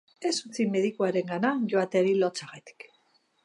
Ez utzi medikuarengana joateari lotsagatik.